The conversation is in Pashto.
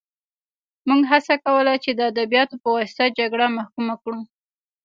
موږ هڅه کوله چې د ادبیاتو په واسطه جګړه محکومه کړو